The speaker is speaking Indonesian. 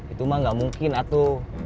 itu mah gak mungkin atau